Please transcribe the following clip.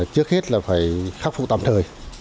trước hết là phải khắc phục tạm thời